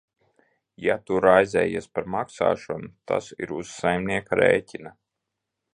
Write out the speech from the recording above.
Ja tu raizējies par maksāšanu, tas ir uz saimnieka rēķina.